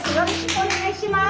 お願いします！